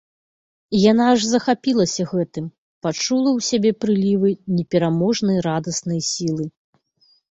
Яна аж захапілася гэтым, пачула ў сябе прылівы непераможнай радаснай сілы.